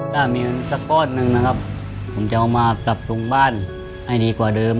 ถ้ามีเงินสักก้อนหนึ่งนะครับผมจะเอามาปรับปรุงบ้านให้ดีกว่าเดิม